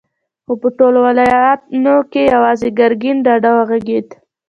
خو په ټولو واليانو کې يواځې ګرګين ډاډه وغږېد.